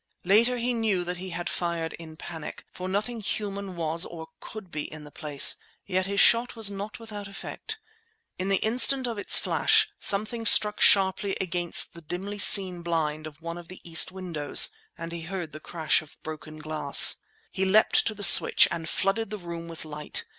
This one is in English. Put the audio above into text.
Later he knew that he had fired in panic, for nothing human was or could be in the place; yet his shot was not without effect. In the instant of its flash, something struck sharply against the dimly seen blind of one of the east windows; he heard the crash of broken glass. He leapt to the switch and flooded the room with light.